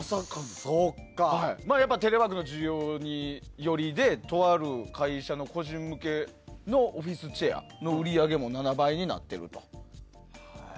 テレワークの需要寄りでとある会社の個人向けのオフィスチェアの売り上げも７倍になってると。